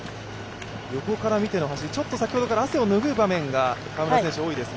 横から見ての走り、先ほどから汗を拭う場面が川村選手多いですが。